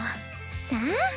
さあ？